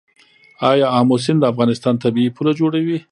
آیا امو سیند د افغانستان طبیعي پوله جوړوي؟